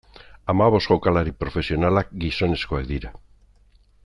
Hamabost jokalari profesionalak gizonezkoak dira.